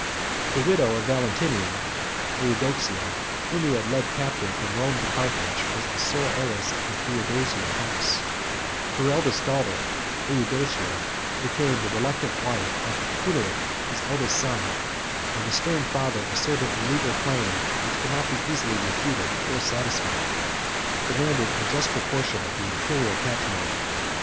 The widow of Valentinian, Eudoxia, whom he had led captive from Rome to Carthage, was the sole heiress of the Theodosian house; her elder daughter, Eudocia, became the reluctant wife of Hunneric, his eldest son; and the stern father, asserting a legal claim, which could not easily be refuted or satisfied, demanded a just proportion of the Imperial patrimony.